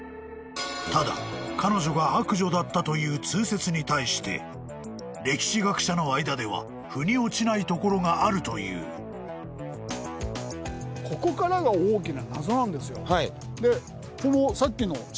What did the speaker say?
［ただ彼女が悪女だったという通説に対して歴史学者の間ではふに落ちないところがあるという］でこのさっきの史料ね。